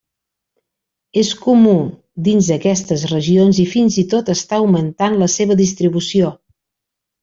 És comú dins aquestes regions i fins i tot està augmentant la seva distribució.